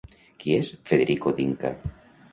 Qui és Federico D'Inca?